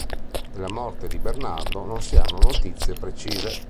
Della morte di Bernardo non si hanno notizie precise.